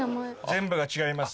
全部が違います。